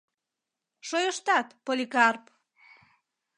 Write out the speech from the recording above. Шойыштат, Поликарп!..